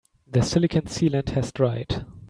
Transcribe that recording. The silicon sealant has dried.